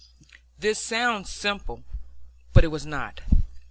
This sounds simple. But it was not.